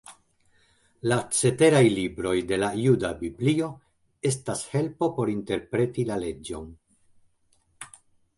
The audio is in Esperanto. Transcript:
La ceteraj libroj de la juda biblio estas helpo por interpreti la leĝon.